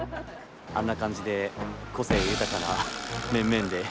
あんな感じで個性豊かな面々で。